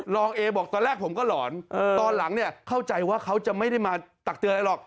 เอบอกตอนแรกผมก็หลอนตอนหลังเนี่ยเข้าใจว่าเขาจะไม่ได้มาตักเตือนอะไรหรอก